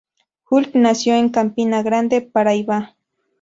Hulk nació en Campina Grande, Paraíba.